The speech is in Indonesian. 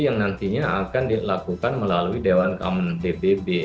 yang nantinya akan dilakukan melalui dewan keamanan pbb